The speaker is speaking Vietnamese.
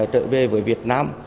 trở về với việt nam